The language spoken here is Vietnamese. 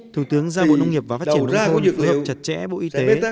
thủ tướng gia bộ nông nghiệp và phát triển nông sống phù hợp chặt chẽ bộ y tế